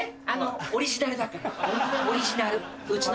オリジナルだからオリジナルうちの。